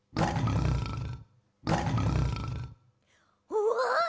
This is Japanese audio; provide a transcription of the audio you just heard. うわ！